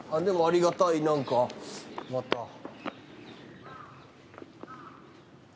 でもありがたい何かまた。